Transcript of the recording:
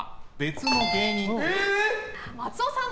松尾さん。